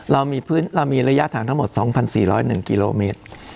เรามีพื้นเรามีระยะทางทั้งหมดสองพันสี่ร้อยหนึ่งกิโลเมตร